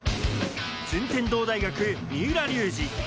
順天堂大学・三浦龍司。